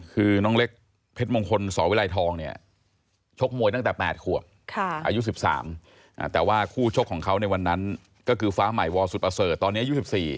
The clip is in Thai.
คือน้องเล็กเพชรมงคลสวิรัยทองเนี่ยชกมวยตั้งแต่๘ขวบอายุ๑๓แต่ว่าคู่ชกของเขาในวันนั้นก็คือฟ้าใหม่วสุดประเสริฐตอนนี้อายุ๑๔